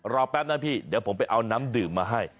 แป๊บนะพี่เดี๋ยวผมไปเอาน้ำดื่มมาให้